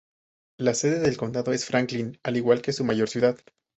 La sede del condado es Franklin, al igual que su mayor ciudad.